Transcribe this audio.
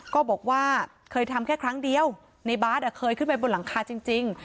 ก็บอกว่าเคยทำแค่ครั้งเดียวในบาสเคยขึ้นไปบนหลังคาจริง